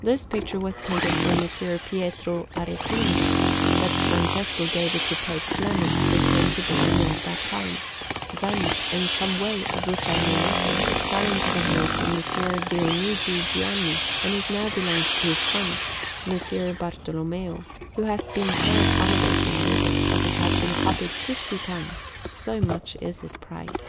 This picture was painted for Messer Pietro Aretino, but Francesco gave it to Pope Clement, who came to Bologna at that time; then, in some way of which I know nothing, it fell into the hands of Messer Dionigi Gianni, and it now belongs to his son, Messer Bartolommeo, who has been so accommodating with it that it has been copied fifty times, so much is it prized.